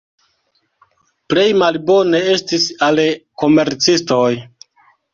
Plej malbone estis al komercistoj.